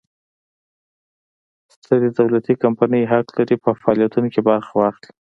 سترې دولتي کمپنۍ حق لري په فعالیتونو کې برخه واخلي.